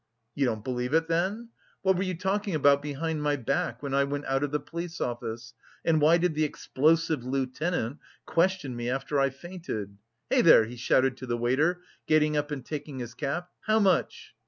"You don't believe it then? What were you talking about behind my back when I went out of the police office? And why did the explosive lieutenant question me after I fainted? Hey, there," he shouted to the waiter, getting up and taking his cap, "how much?"